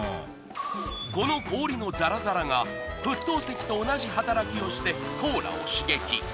この氷のザラザラが沸騰石と同じ働きをしてコーラを刺激。